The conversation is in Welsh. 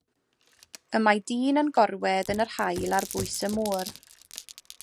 Y mae dyn yn gorwedd yn yr haul ar bwys y môr.